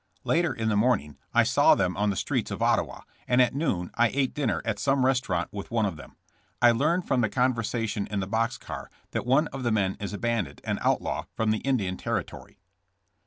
Later in the morning I saw them on the streets of Ottawa, and at noon I ate dinner at some restaurant with one of them. I learned from the conversation in the box car that one of the men is a bandit and outlaw from the Indian Territory.